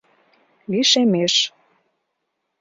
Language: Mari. Лишемеш.